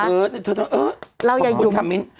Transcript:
ขอบคุณครับมิน